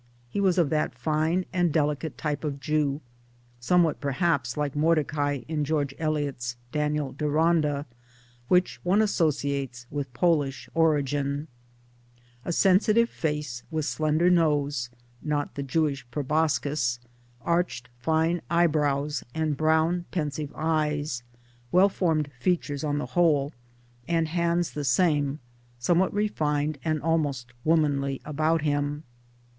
He was of that fine and delicate type of Jew (some what perhaps like Mordecai in George Eliot's Daniel Deronda) which one associates with Polish origin a sensitive face with slender nose (not the Jewish proboscis), arched fine eyebrows and brown pensive eyes, well formed features on the whole, and hands the same something refined and almost womanly about him.